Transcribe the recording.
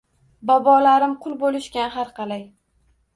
Bobolarim qul bo’lishgan harqalay.